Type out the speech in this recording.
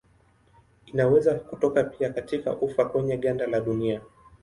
Inaweza kutoka pia katika ufa kwenye ganda la dunia.